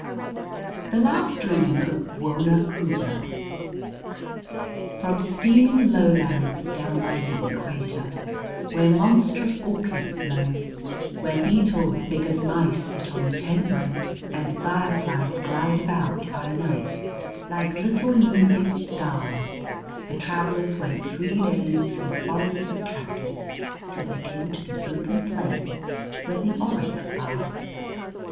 ] THE LAST DREAM OF BWONA KHUBLA From steaming lowlands down by the equator, where monstrous orchids blow, where beetles big as mice sit on the tent ropes, and fireflies glide about by night like little moving stars, the travelers went three days through forests of cactus till they came to the open plains where the oryx are.